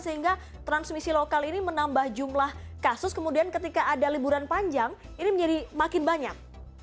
sehingga transmisi lokal ini menambah jumlah kasus kemudian ketika ada liburan panjang ini menjadi makin banyak